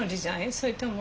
それとも。